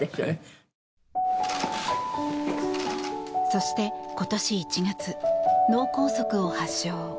そして、今年１月脳梗塞を発症。